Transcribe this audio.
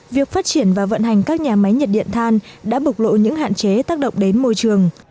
việc phát triển và vận hành các nhà máy nhiệt điện than đã bộc lộ những hạn chế tác động đến môi trường